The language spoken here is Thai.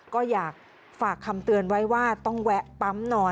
ก็อยากฝากคำเตือนไว้ว่าต้องแวะปั๊มนอน